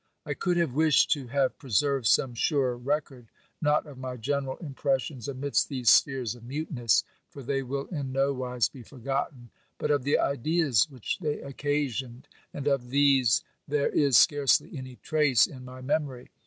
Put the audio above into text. I could have wished to have preserved some surer record, not of my general impressions amidst these spheres of muteness, for they will in nowise be forgotten, but of the ideas which they occasioned, and of these there is scarcely any trace in my memory.